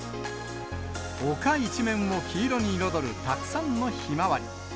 丘一面を黄色に彩るたくさんのひまわり。